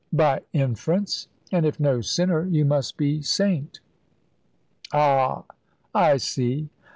"By inference; and if no sinner, you must be saint." "Ah! I see.